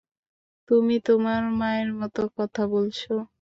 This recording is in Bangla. তুমি তোমার মায়ের মতো কথা বলছো।